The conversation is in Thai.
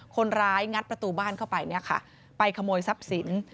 งัดประตูบ้านเข้าไปเนี่ยค่ะไปขโมยทรัพย์สิน